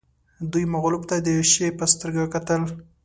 دوی مغلوب ته د شي په سترګه کتل